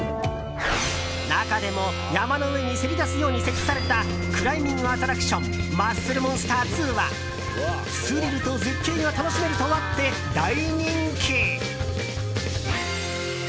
中でも山の上にせり出すように設置されたクライミングアトラクションマッスルモンスター２はスリルと絶景が楽しめるとあって大人気。